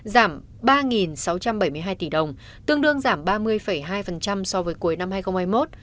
giảm ba sáu trăm bảy mươi hai tỷ đồng tương đương giảm ba mươi hai so với cuối năm hai nghìn hai mươi một